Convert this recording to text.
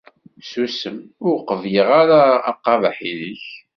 Susem! Ur qebbleɣ ara aqabeḥ-nnek!